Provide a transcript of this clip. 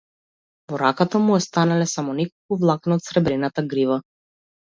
Во раката му останале само неколку влакна од сребрената грива.